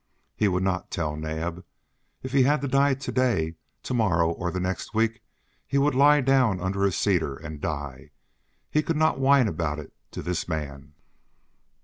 He would not tell Naab. If he had to die to day, to morrow or next week, he would lie down under a cedar and die; he could not whine about it to this man.